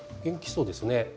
元気そうですね。